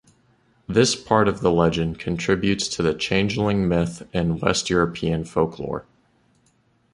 This part of the legend contributes to the changeling myth in west European folklore.